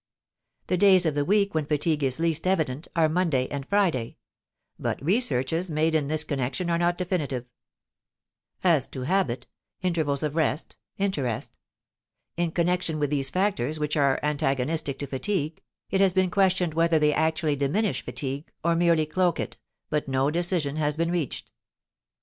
The days of the week when fatigue is least evident are Monday and Friday, but researches made in this connection are not definitive; as to habit, intervals of rest, interest: "in connection with these factors which are antagonistic to fatigue, it has been questioned whether they actually diminish fatigue, or merely cloak it, but no decision has been reached."